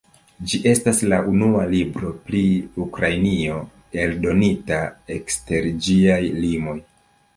Ĝi estas la unua libro pri Ukrainio, eldonita ekster ĝiaj limoj.